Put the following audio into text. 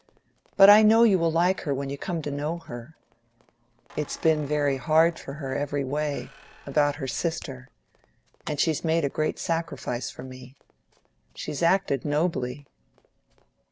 But I know you will like her when you come to know her. It's been very hard for her every way about her sister, and she's made a great sacrifice for me. She's acted nobly."